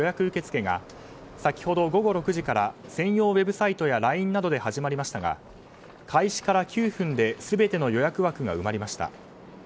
受け付けが先ほど午後６時から専用ウェブサイトやＬＩＮＥなどで始まりましたが開始から９分で全ての予約枠が埋まりました。